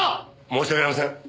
申し訳ありません。